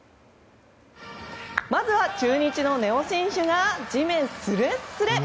まずは、中日の根尾選手が地面すれすれ。